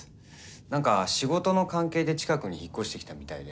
何か仕事の関係で近くに引っ越してきたみたいで。